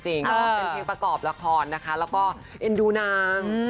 เป็นเพลงประกอบละครนะคะแล้วก็เอ็นดูนาง